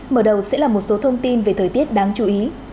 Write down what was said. mở đầu sẽ là một số thông tin về thời tiết đáng chú ý